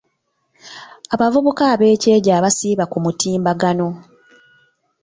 Abavubuka ab'ekyejo abasiiba ku mutimbagano.